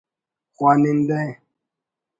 خوانندہ